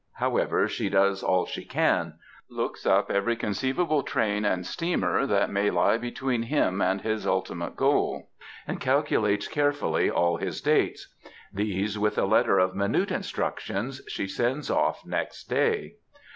However, she does all she can ; looks up every conceivable train and steamer that may lie between him and his ultimate goal, and calculates carefully all his dates. These, with a letter of minute instructions, she sends ofi^ next day.